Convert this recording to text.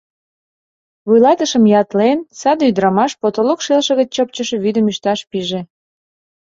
Вуйлатышым ятлен, саде ӱдырамаш потолок шелше гыч чыпчыше вӱдым ӱшташ пиже...